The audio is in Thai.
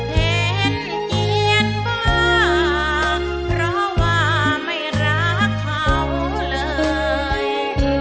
เห็นเขียนว่าเพราะว่าไม่รักเขาเลย